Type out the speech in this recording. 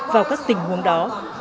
vào các tình huống đó